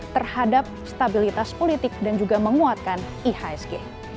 terhadap stabilitas politik dan juga menguatkan ihsg